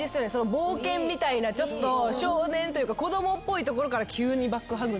冒険みたいな少年というか子供っぽいところから急にバックハグって。